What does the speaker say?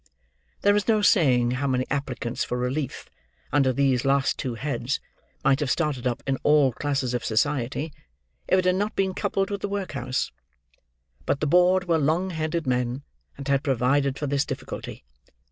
There is no saying how many applicants for relief, under these last two heads, might have started up in all classes of society, if it had not been coupled with the workhouse; but the board were long headed men, and had provided for this difficulty.